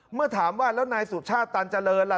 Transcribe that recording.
เมื่อถามว่าแล้วนายสุชาติตันเจริญล่ะ